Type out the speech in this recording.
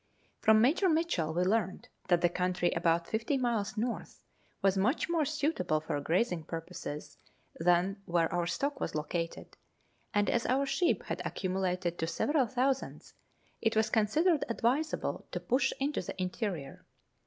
From Major Mitchell we learnt that the country about 50 miles north was much more suitable for grazing purposes than where our stock was located, and as our sheep had accumulated to several thousands it was considered advisable to push into the interior.